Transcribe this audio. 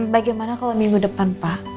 bagaimana kalau minggu depan pak